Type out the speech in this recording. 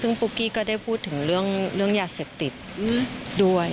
ซึ่งปุ๊กกี้ก็ได้พูดถึงเรื่องยาเสพติดด้วย